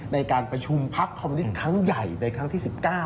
ในการประชุมพักคอมมินิตครั้งใหญ่ในครั้งที่๑๙